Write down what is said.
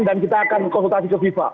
dan kita akan konsultasi ke fifa